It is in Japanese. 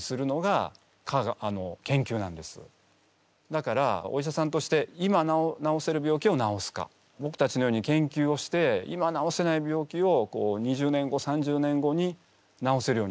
だからお医者さんとして今治せる病気を治すかぼくたちのように研究をして今治せない病気を２０年後３０年後に治せるようにするか両方すごい大切で。